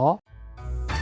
trung thu xung vầy